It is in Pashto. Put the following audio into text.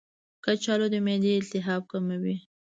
کچالو د معدې التهاب کموي.